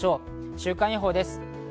週間予報です。